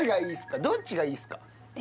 どっちがいいっすか？